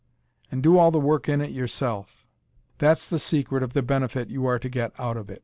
And do all the work in it yourself. That's the secret of the benefit you are to get out of it.